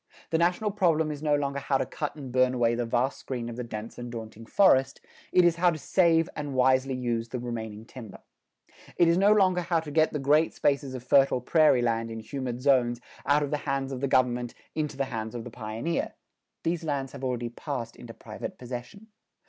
The national problem is no longer how to cut and burn away the vast screen of the dense and daunting forest; it is how to save and wisely use the remaining timber. It is no longer how to get the great spaces of fertile prairie land in humid zones out of the hands of the government into the hands of the pioneer; these lands have already passed into private possession.